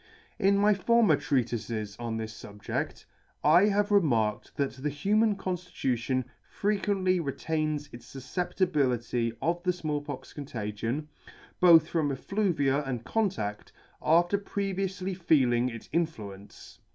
In my former Treatifes on this fubjedt, I have remarked that the human conftitution frequently retains its fufceptibility of the Small pox contagion (both from effluvia and contadt) after pre vioufly feeling its influence.